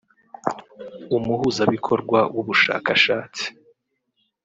umuhuzabikorwa w’ubushakashatsi